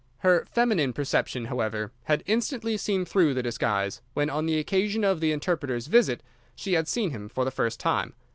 Her feminine perception, however, had instantly seen through the disguise when, on the occasion of the interpreter's visit, she had seen him for the first time.